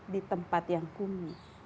di tempat yang kumis